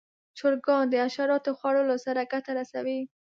چرګان د حشراتو خوړلو سره ګټه رسوي.